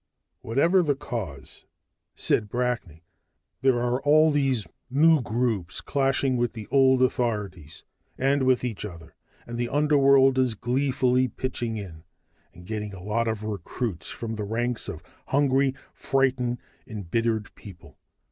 "Whatever the cause," said Brackney, "there are all these new groups, clashing with the old authorities and with each other. And the underworld is gleefully pitching in, and getting a lot of recruits from the ranks of hungry, frightened, embittered people.